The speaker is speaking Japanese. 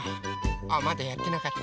あまだやってなかった。